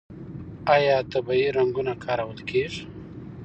آیا طبیعي رنګونه کارول کیږي؟